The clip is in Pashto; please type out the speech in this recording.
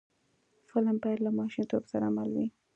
فلم باید له ماشومتوب سره مل وي